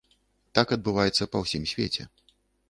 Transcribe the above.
Так адбываецца па ўсім свеце.